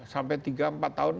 sampai tiga empat tahun